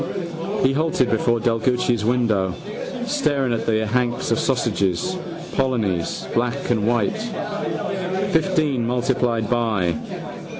He halted before Dlugacz's window, staring at the hanks of sausages, polonies, black and white. Fifteen multiplied by.